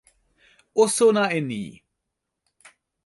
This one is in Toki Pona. o sona e ni!